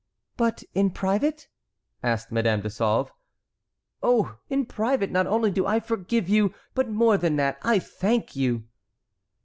"But in private?" asked Madame de Sauve. "Oh! in private, not only do I forgive you, but more than that, I thank you."